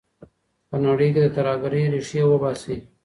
په نړۍ کي د ترهګرۍ ریښې وباسئ.